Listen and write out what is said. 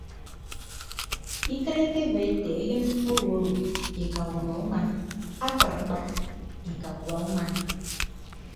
Ikịt ekebo ete eyịn ododu ika udua uman akpakpa ika udua uman.